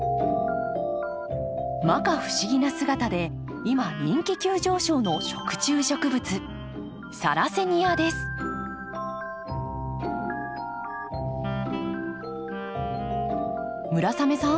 摩訶不思議な姿で今人気急上昇の村雨さん